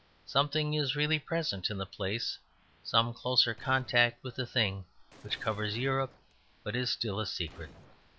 Something is really present in the place; some closer contact with the thing which covers Europe but is still a secret.